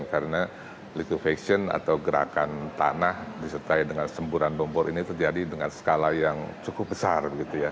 karena locofaction atau gerakan tanah disertai dengan semburan bombor ini terjadi dengan skala yang cukup besar gitu ya